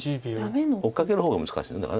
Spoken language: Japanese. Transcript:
追っかける方が難しいよね。